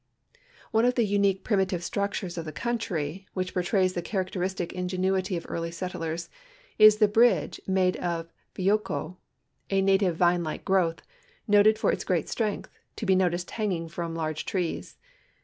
One of the unique primitive structures of the country, which portrays the characteristic ingenuity of early settlers, is the bridge made of hcjnco, a native vine like growth, noted for its great strength, to be noticed hanging from large trees.